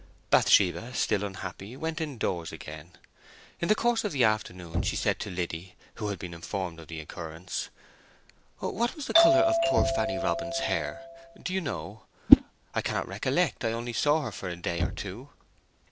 Bathsheba, still unhappy, went indoors again. In the course of the afternoon she said to Liddy, who had been informed of the occurrence, "What was the colour of poor Fanny Robin's hair? Do you know? I cannot recollect—I only saw her for a day or two."